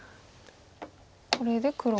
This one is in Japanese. これで黒も。